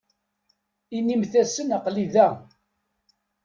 Inimt-asen aql-i da.